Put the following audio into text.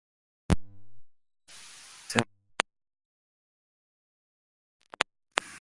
La salsa elaborada en Asia se hace normalmente de anchoas, sal y agua.